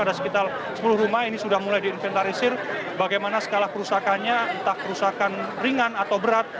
ada sekitar sepuluh rumah ini sudah mulai diinventarisir bagaimana skala kerusakannya entah kerusakan ringan atau berat